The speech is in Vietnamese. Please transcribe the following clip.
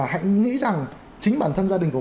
hãy nghĩ rằng chính bản thân gia đình của